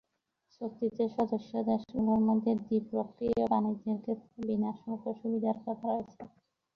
চুক্তিতে সদস্য দেশগুলোর মধ্যে দ্বিপক্ষীয় বাণিজ্যের ক্ষেত্রে বিনা শুল্ক সুবিধার কথা রয়েছে।